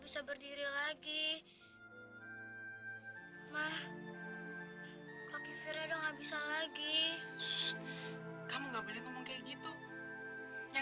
sampai jumpa di video selanjutnya